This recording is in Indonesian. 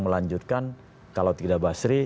melanjutkan kalau tidak basri